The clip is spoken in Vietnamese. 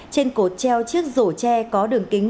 trên cột treo chiếc rổ tre có đường kính